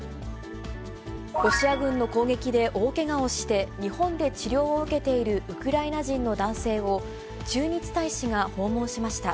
ロシア軍の攻撃で大けがをして、日本で治療を受けているウクライナ人の男性を、駐日大使が訪問しました。